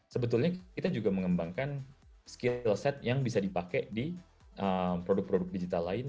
sebetulnya kita juga mengembangkan skill set yang bisa dipakai di produk produk digital lain